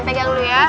pegang dulu ya